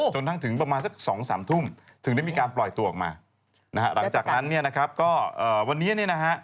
กระทั่งถึงประมาณสักสองสามทุ่มถึงได้มีการปล่อยตัวออกมานะฮะหลังจากนั้นเนี่ยนะครับก็วันนี้เนี่ยนะฮะ